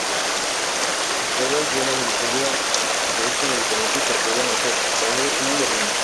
Las pruebas de laboratorio de este medicamento se pueden hacer por sangre u orina.